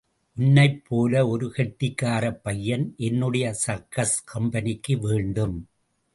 உன்னைப் போல ஒரு கெட்டிக்காரப் பையன் என்னுடைய சர்க்கஸ் கம்பெனிக்கு வேண்டும்.